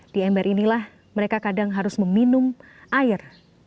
di ember inilah mereka kadang harus meminum air